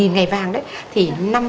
một nghìn ngày vàng đấy thì